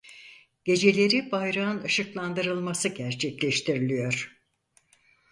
Geceleri bayrağın ışıklandırılması gerçekleştiriliyor.